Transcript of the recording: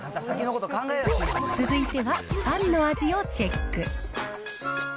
続いてはパンの味をチェック。